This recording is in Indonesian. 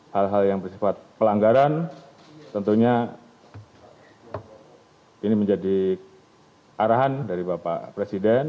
hal hal yang bersifat pelanggaran tentunya ini menjadi arahan dari bapak presiden